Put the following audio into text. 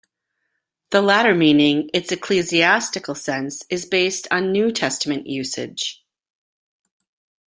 The latter meaning, its ecclesiastical sense, is based on New Testament usage.